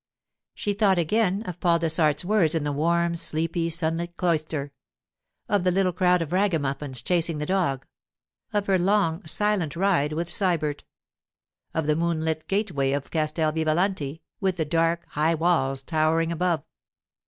She thought again of Paul Dessart's words in the warm, sleepy, sunlit cloister; of the little crowd of ragamuffins chasing the dog; of her long, silent ride with Sybert; of the moonlit gateway of Castel Vivalanti, with the dark, high walls towering above.